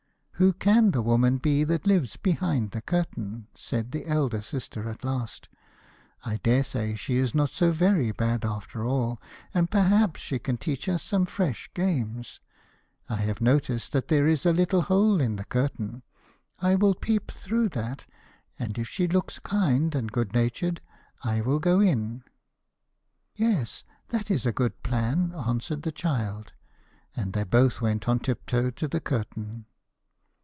'Who can the woman be that lives behind the curtain?' said the elder sister at last. 'I daresay she is not so very bad after all, and perhaps she can teach us some fresh games. I have noticed that there is a little hole in the curtain; I will peep through that, and if she looks kind and good natured, I will go in.' 'Yes; that is a good plan,' answered the child, and they both went on tiptoe to the curtain.